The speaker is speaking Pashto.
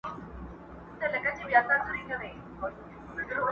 كډي كوم وطن ته وړي دا كور خرابي!!